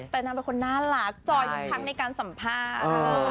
แต่นางเป็นคนน่ารักจอยทุกครั้งในการสัมภาษณ์